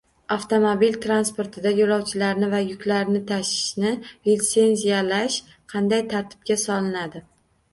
Avtomobil transportida yo‘lovchilarni va yuklarni tashishni litsenziyalash qanday tartibga solinadi?